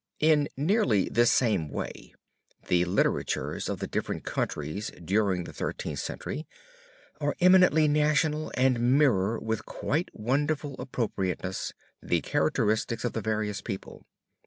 In nearly this same way the literatures of the different countries during the Thirteenth Century are eminently national and mirror with quite wonderful appropriateness the characteristics of the various people.